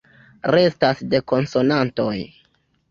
Restas la konsonantoj.